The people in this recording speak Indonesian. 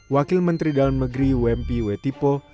wakil menteri dalam negeri wempi wetipo